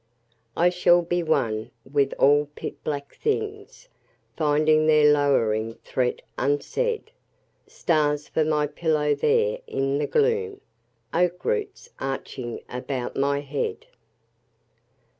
I shall be one with all pit black things Finding their lowering threat unsaid: Stars for my pillow there in the gloom,— Oak roots arching about my head!